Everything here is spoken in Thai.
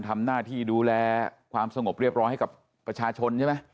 ทำหน้าที่ดูแลความสงบเรียบร้อยให้กับประชาชนใช่ไหม